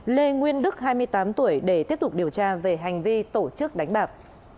lê nguyên đức hai mươi tám tuổi để tiếp tục điều tra về hành vi tổ chức đánh bạc